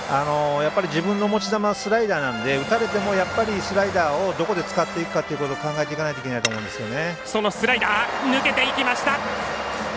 自分の持ち球はスライダーなので打たれてもスライダーをどこで使っていくかということを考えていかないといけないと思いますけどね。